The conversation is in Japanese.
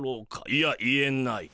いやいえない。